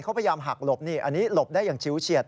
เขาพยายามหักหลบนี่อันนี้หลบได้อย่างชิวเฉียด